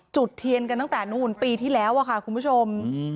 จุดเทียนกันตั้งแต่นู่นปีที่แล้วค่ะคุณผู้ชม